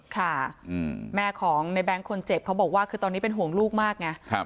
ค่ะแม่ของในแบงค์คนเจ็บเขาบอกว่าคือตอนนี้เป็นห่วงลูกมากไง